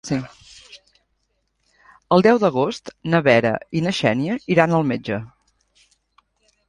El deu d'agost na Vera i na Xènia iran al metge.